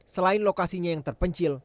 selain lokasinya yang terpencil